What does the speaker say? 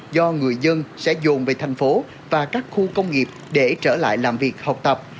do người dân sẽ dồn về thành phố và các khu công nghiệp để trở lại làm việc học tập